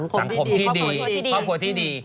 สังคมที่ดีครอบครัวที่ดี